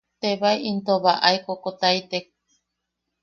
Tebae into baʼae kokotaitek.